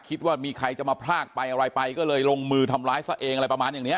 คิดว่ามีใครจะมาพรากไปอะไรไปก็เลยลงมือทำร้ายซะเองอะไรประมาณอย่างเนี้ย